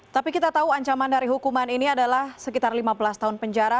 tapi kita tahu ancaman dari hukuman ini adalah sekitar lima belas tahun penjara